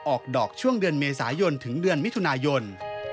ออกดอกช่วงเดือนเมษายนถึงเดือนมิถุนายน